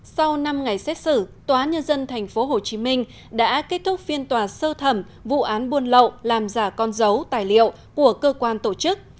sau năm ngày xét xử tòa nhân dân tp hcm đã kết thúc phiên tòa sơ thẩm vụ án buôn lậu làm giả con dấu tài liệu của cơ quan tổ chức